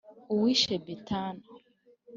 Uwishe Bitana